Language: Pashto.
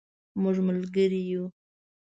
مونږ ملګري یو